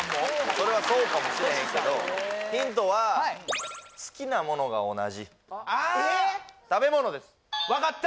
それはそうかもしれへんけどヒントは好きなものが同じ分かった！